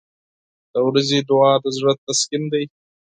• د ورځې دعا د زړه تسکین دی.